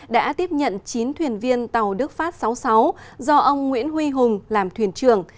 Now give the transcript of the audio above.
đã tiếp nhận chín thuyền viên tàu đức pháp sáu mươi sáu do ông nguyễn huy hùng làm thuyền trưởng